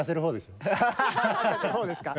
そうですか。